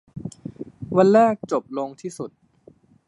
วันแรกจบลงที่จุด